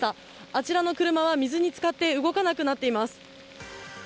あちらの車は水につかって動かなくなっています。